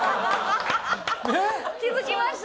気づきました？